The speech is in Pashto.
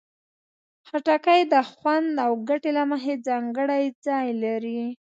خټکی د خوند او ګټې له مخې ځانګړی ځای لري.